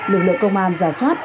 lực lượng công an giả soát